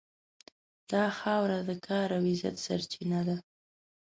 دا خاوره د کار او عزت سرچینه ده.